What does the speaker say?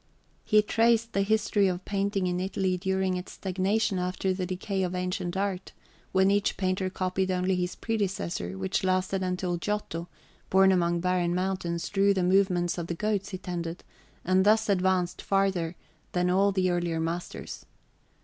He traced the history of painting in Italy during its stagnation after the decay of ancient art, when each painter copied only his predecessor, which lasted until Giotto, born among barren mountains, drew the movements of the goats he tended, and thus advanced farther than all the earlier masters.